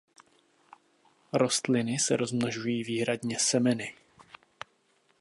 Rostliny se rozmnožují výhradně semeny.